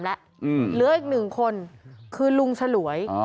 เหลืออีก๑คนคือลุงสลวย